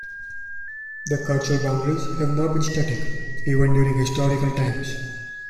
The cultural boundaries have not been static, even during historical times.